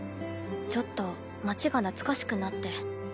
ちょっと街が懐かしくなって。